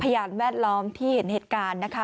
พยานแวดล้อมที่เห็นเหตุการณ์นะคะ